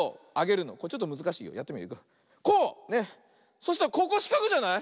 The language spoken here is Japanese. そしたらここしかくじゃない？